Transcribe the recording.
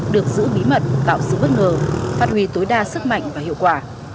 được giữ bí mật tạo sự bất ngờ phát huy tối đa sức mạnh và hiệu quả